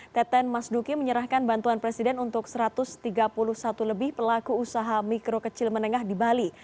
teten mas duki menyerahkan bantuan presiden untuk satu ratus tiga puluh satu lebih pelaku usaha mikro kecil menengah di bali